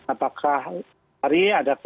apakah hari ada